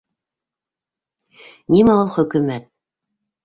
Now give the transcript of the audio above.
Нимә ул хөкөмәт?